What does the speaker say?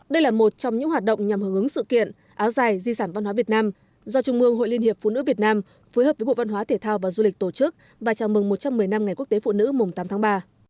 đây là một trong những hoạt động nhằm hướng ứng sự kiện áo dài di sản văn hóa việt nam do trung mương hội liên hiệp phụ nữ việt nam phối hợp với bộ văn hóa thể thao và du lịch tổ chức và chào mừng một trăm một mươi năm ngày quốc tế phụ nữ mùng tám tháng ba